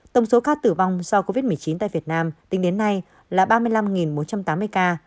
tổng số ca tử vong do covid một mươi chín tại việt nam tính đến nay là ba mươi năm bốn trăm tám mươi ca